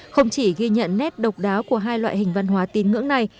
không chỉ ghi nhận nét độc đáo của hai loại hình văn hóa tín ngưỡng này